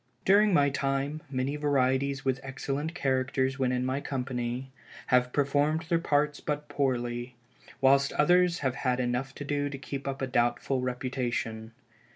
] During my time, many varieties with excellent characters when in my company, have performed their parts but poorly, whilst others have had enough to do to keep up a doubtful reputation.